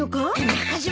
中島